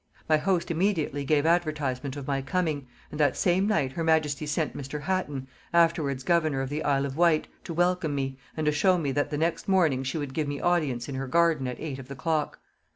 My host immediately gave advertisement of my coming, and that same night her majesty sent Mr. Hatton, afterwards governor of the isle of Wight, to welcome me, and to show me that the next morning she would give me audience in her garden at eight of the clock."